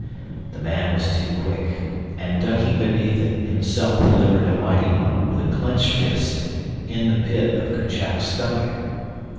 The man was too quick, and, ducking beneath it, himself delivered a mighty one, with clenched fist, in the pit of Kerchak's stomach.